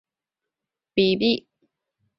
它们是柏拉图立体的四维类比。